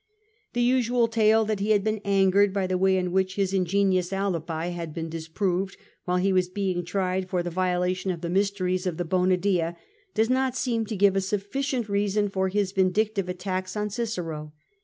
The usual tale, that he had been angered by the way in which his ingenious alihi had been disproved, while ho was being tried for the violation of the mysteries of the Bona Dea, does not seem to give a sufficient reason for his vindictive attacks on Cicero.